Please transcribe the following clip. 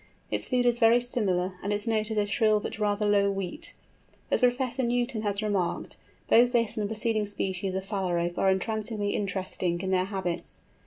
Its food is very similar, and its note is a shrill but rather low weet. As Professor Newton has remarked, both this and the preceding species of Phalarope are entrancingly interesting in their habits.